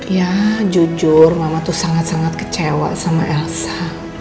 ya jujur mama tuh sangat sangat kecewa sama elsa